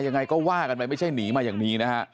ยังไงก็ว่ากันไปไม่ใช่หนีมาอย่างนี้นะฮะ